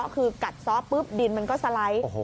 คือกัดซ้อปุ๊บดินมันก็สไลด์